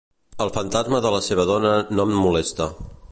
El fantasma de la seva dona no em molesta.